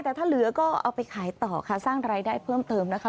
แต่ถ้าเหลือก็เอาไปขายต่อค่ะสร้างรายได้เพิ่มเติมนะคะ